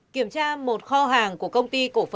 kiểm tra một kho hàng của công ty cổ phần